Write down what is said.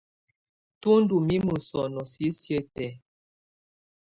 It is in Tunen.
Tù ndù mimǝ sɔnɔ̀ sisiǝ́ tɛ̀á.